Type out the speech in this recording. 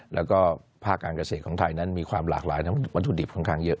และภาคกาเศษของไทยมีความหลากหลายมันมีวัตถุดิบค่อนข้างเยอะ